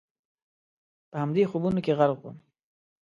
په همدې خوبونو کې غرق ووم.